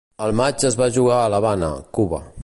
El matx es va jugar a l'Havana, Cuba.